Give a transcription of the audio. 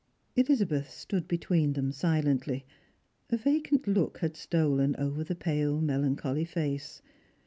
Elizabeth stood between them silently. A vacant look had stolen over the pale melancholy face.